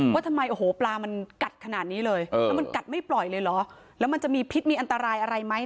ว่าทำไมปลามันกัดขนาดนี้เลย